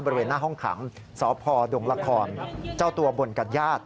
บริเวณหน้าห้องขังสพดงละครเจ้าตัวบ่นกับญาติ